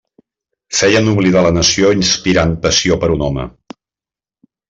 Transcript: Feien oblidar la nació inspirant passió per un home.